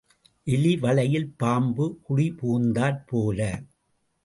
எலி வளையில் பாம்பு குடிபுகுந்தாற் போல.